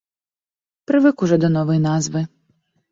Прывык ужо да новай назвы.